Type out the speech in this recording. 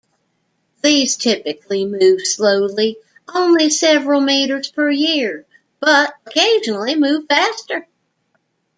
These typically move slowly, only several meters per year, but occasionally move faster.